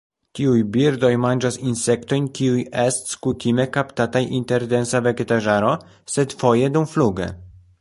Tiuj birdoj manĝas insektojn, kiuj ests kutime kaptataj inter densa vegetaĵaro, sed foje dumfluge.